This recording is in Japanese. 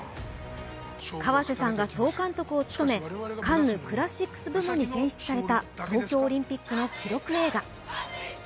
河瀬さんが総監督を務めカンヌ・クラシックス部門に選出された東京オリンピックの記録映画。